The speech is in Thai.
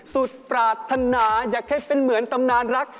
สุดปรารถนาอยากให้เป็นเหมือนตำนานรัก